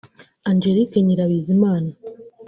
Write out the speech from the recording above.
Angelique Nyirabizimana